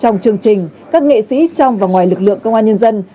trong chương trình các nghệ sĩ trong và ngoài lực lượng công an nhân dân